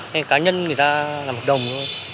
hay cá nhân người ta làm hợp đồng thôi